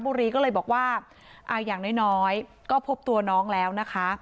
บุรีก็เลยบอกว่าอ่าอย่างน้อยน้อยก็พบตัวน้องแล้วนะคะ